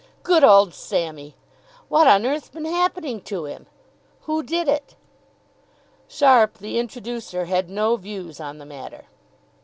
"Good old Sammy!" "What on earth's been happening to him?" "Who did it?" Sharpe, the introducer, had no views on the matter.